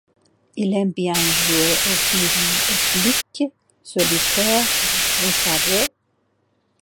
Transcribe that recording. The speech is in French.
Il aime bien jouer au flic solitaire, vous savez.